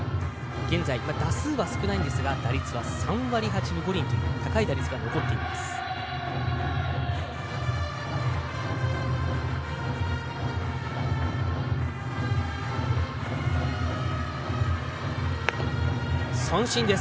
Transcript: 現在、打数は少ないんですが打率は３割８分５厘と高い打率が残っています。